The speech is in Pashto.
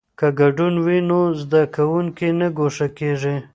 که ګډون وي نو زده کوونکی نه ګوښه کیږي.